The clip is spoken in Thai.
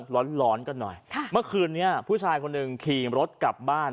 ร้อนร้อนกันหน่อยค่ะเมื่อคืนนี้ผู้ชายคนหนึ่งขี่รถกลับบ้าน